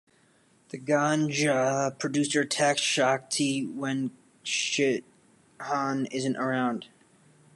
The Ganja producer attacks Shakthi when Chithan isn't around.